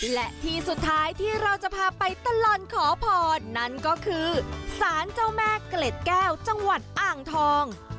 และที่สุดท้ายที่เราจะพาไปตลอดขอพรนั่นก็คือสารเจ้าแม่เกล็ดแก้วจังหวัดอ่างทอง